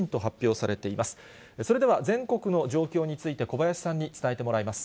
それでは全国の状況について小林さんに伝えてもらいます。